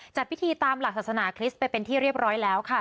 จัดพิธีตามหลักศาสนาคริสต์ไปเป็นที่เรียบร้อยแล้วค่ะ